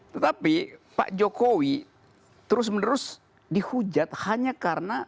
tetapi pak jokowi terus menerus dihujat hanya karena